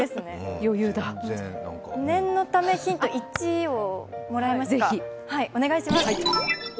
念のため、ヒント１をもらえますか。